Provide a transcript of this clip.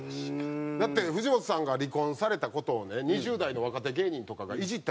だって藤本さんが離婚された事をね２０代の若手芸人とかがイジったりするじゃないですか。